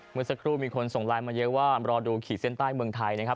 เมื่อสักครู่มีคนส่งไลน์มาเยอะว่ารอดูขีดเส้นใต้เมืองไทยนะครับ